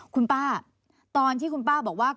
คุณป้าตอนที่คุณป้าบอกว่า